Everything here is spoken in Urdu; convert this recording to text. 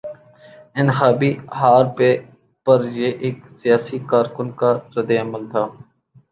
انتخابی ہار پر یہ ایک سیاسی کارکن کا رد عمل تھا۔